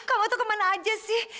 kamu tuh kemana aja sih